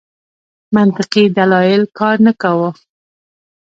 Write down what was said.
منطقي دلایل کار نه کاوه.